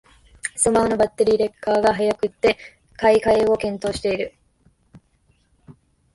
スマホのバッテリーの劣化が早くて買い替えを検討してる